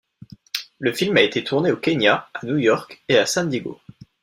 Le film a été tourné au Kenya, à New York et San Diego.